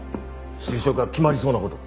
就職が決まりそうな事を。